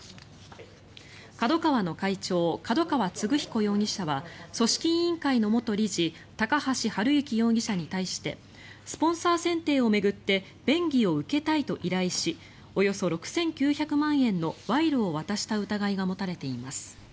ＫＡＤＯＫＡＷＡの会長角川歴彦容疑者は組織委員会の元理事高橋治之容疑者に対してスポンサー選定を巡って便宜を受けたいと依頼しおよそ６９００万円の賄賂を渡した疑いが持たれています。